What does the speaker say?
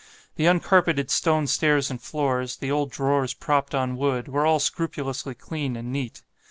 The uncarpeted stone stairs and floors, the old drawers propped on wood, were all scrupulously clean and neat.